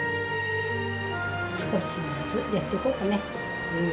少しずつやっていこうかね。